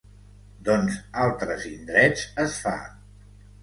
Doncs altres indrets es fa.